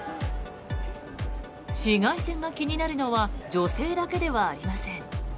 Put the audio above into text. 紫外線が気になるのは女性だけではありません。